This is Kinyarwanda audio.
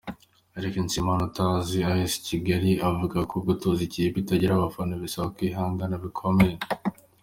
Eric Nshimiyimana utoza As Kigali avuga ko gutoza ikipe itagira abafana bisaba kwihangana bikomeye.